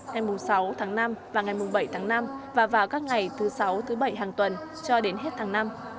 ngày sáu tháng năm và ngày mùng bảy tháng năm và vào các ngày thứ sáu thứ bảy hàng tuần cho đến hết tháng năm